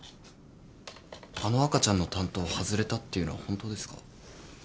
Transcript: あの赤ちゃんの担当外れたっていうのは本当ですか？